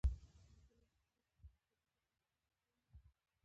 د زلزلوي خطراتو ساتل کېدو لپاره چېرې کورنه جوړ شي؟